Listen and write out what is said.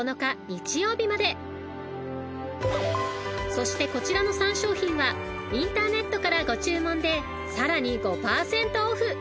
［そしてこちらの３商品はインターネットからご注文でさらに５％オフ］